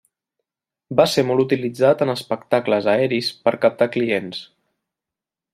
Va ser molt utilitzat en espectacles aeris per captar clients.